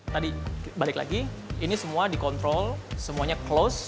tadi balik lagi ini semua dikontrol semuanya close